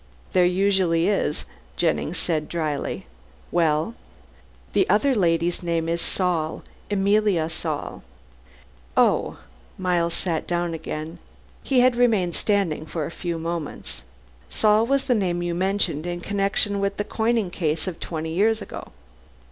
"There usually is," said Jennings dryly. "Well?" "The other lady's name was Saul Emilia Saul." "Oh," Miles sat down again. He had remained standing for a few moments. "Saul was the name you mentioned in connection with the coining case of twenty years ago."